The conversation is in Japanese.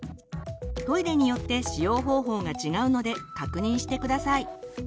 トイレによって使用方法が違うので確認して下さい。